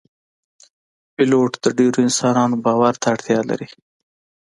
پیلوټ د ډیرو انسانانو باور ته اړتیا لري.